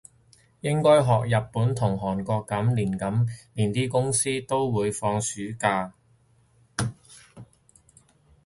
應該學日本同韓國噉，連啲公司都會放暑假